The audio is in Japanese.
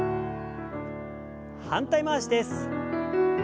反対回しです。